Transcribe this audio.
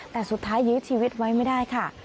แต่สุดท้ายยื้อชีวิตไว้ไม่ได้ค่ะ